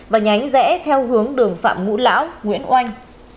và nhánh rẽ theo hướng đường phạm ngũ lão nguyễn oanh